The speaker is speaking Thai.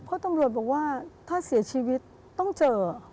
เพราะตำรวจบอกว่าถ้าเสียชีวิตต้องเจอ